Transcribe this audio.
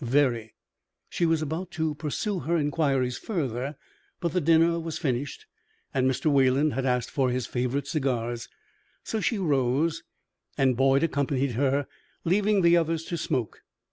"Very." She was about to pursue her inquiries further, but the dinner was finished and Mr. Wayland had asked for his favorite cigars, so she rose and Boyd accompanied her, leaving the others to smoke.